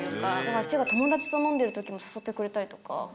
あっちが友達と飲んでるときも誘ってくれたりとか。